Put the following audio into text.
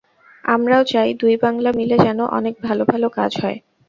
আমরাও চাই দুই বাংলা মিলে যেন অনেক ভালো ভালো কাজ হয়।